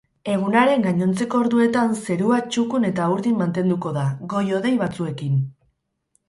Egunaren gainontzeko orduetan zerua txukun eta urdin mantenduko da, goi-hodei batzuekin.